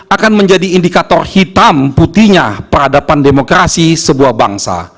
akan menjadi indikator hitam putihnya peradaban demokrasi sebuah bangsa